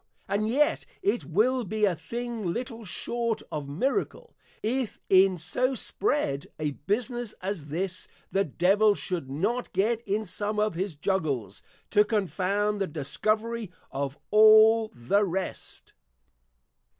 And yet it will be a thing little short of Miracle, if in so spread a Business as this, the Devil should not get in some of his Juggles, to confound the Discovery of all the rest.